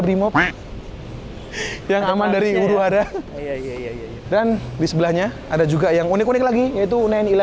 brimob yang aman dari uruh ada dan di sebelahnya ada juga yang unik unik lagi yaitu sembilan ratus sebelas